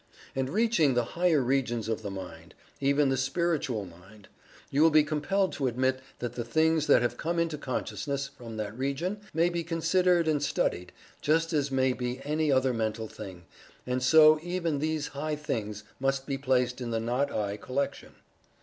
And reaching the higher regions of the mind even the Spiritual Mind, you will be compelled to admit that the things that have come into consciousness from that region may be considered and studied, just as may be any other mental thing, and so even these high things must be placed in the "not I" collection.